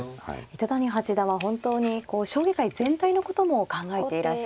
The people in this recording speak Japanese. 糸谷八段は本当に将棋界全体のことも考えていらっしゃる方ですよね。